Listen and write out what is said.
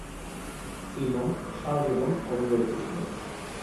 Simon সারাজীবন অবিবাহিত ছিলেন।